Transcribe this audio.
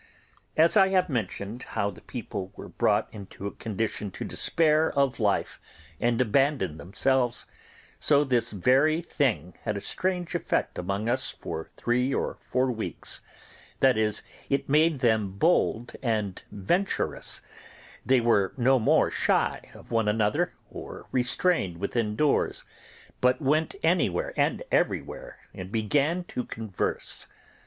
As I have mentioned how the people were brought into a condition to despair of life and abandon themselves, so this very thing had a strange effect among us for three or four weeks; that is, it made them bold and venturous: they were no more shy of one another, or restrained within doors, but went anywhere and everywhere, and began to converse.